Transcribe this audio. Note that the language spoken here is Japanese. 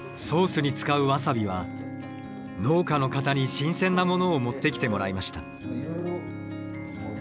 ソースに使うワサビは農家の方に新鮮なものを持ってきてもらいました。